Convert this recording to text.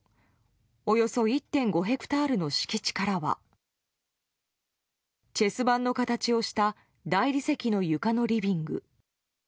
およそ１．５ヘクタールの敷地からはチェス盤の形をした大理石の床のリビング。